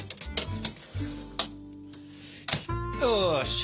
よし。